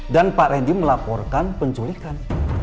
dan pak rendy melaporkan penculikan